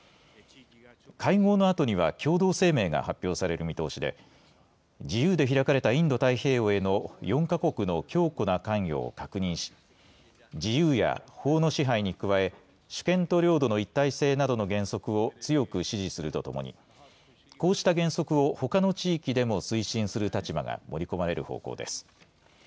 会合のあとには共同声明が発表される見通しで自由で開かれたインド太平洋への４か国の強固な関与を確認し自由や法の支配に加え主権と領土の一体性などの原則を強く支持するとともにこうした原則をほかの地域でも推進する立場が盛り込まれる方向です。